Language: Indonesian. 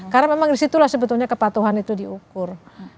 karena memang disitulah sebetulnya kepatuhan itu diukur